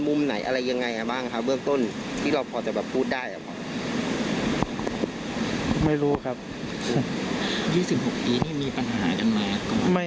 ๒๖ปีนี่มีปัญหาอย่างไร